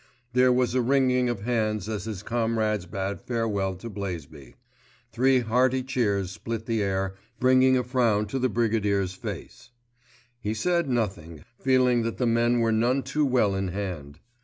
There was a wringing of hands as his comrades bade farewell to Blaisby. Three hearty cheers split the air, bringing a frown to the Brigadier's face. He said nothing, feeling that the men were none too well in hand.